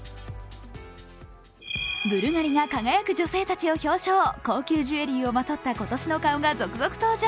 ブルガリが輝く女性たちを表彰高級ジュエリーをまとった今年の顔が登場。